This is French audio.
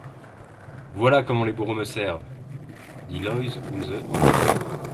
Voilà comment les bourreaux me servent! dit Loys unze en riant.